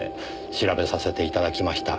調べさせて頂きました。